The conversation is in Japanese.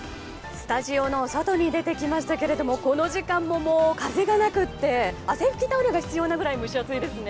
スタジオの外に出てきましたけれどもこの時間も風がなくて汗拭きタオルが必要なくらい蒸し暑いですね。